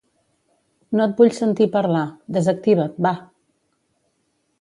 No et vull sentir parlar; desactiva't, va.